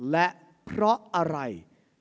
และเพราะอะไร